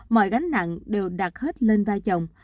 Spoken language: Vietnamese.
mọi gánh nặng đều đặt hết lên vai chồng